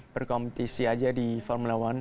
berkompetisi aja di formula one